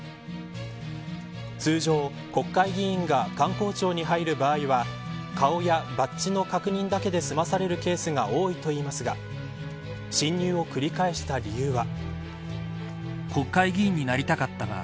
通常、国会議員が官公庁に入る場合は顔やバッジの確認だけで済まされるケースが多いといいますが侵入を繰り返した理由は。